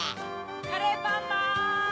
・カレーパンマン！